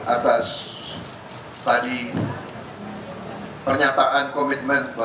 atas tadi pernyataan komitmen